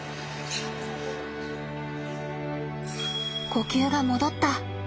呼吸が戻った。